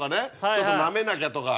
ちょっとなめなきゃとか。